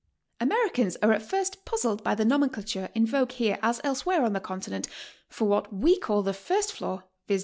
Americans are at first puzzled by the nomenclature in vogue here as elsewhere on the Continent, for what we call •the first floor, viz.